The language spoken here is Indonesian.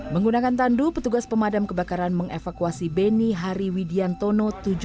menggunakan tandu petugas pemadam kebakaran mengevakuasi benny hariwidian tono